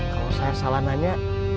kalau saya salah nanya